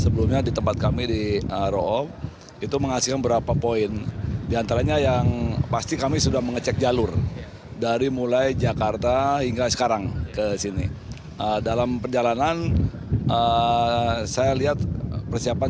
puncaknya akan terjadi pada hari minggu begitu putri